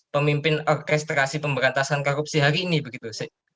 pemimpin orkestrasi pemberantasan korupsi hari ini begitu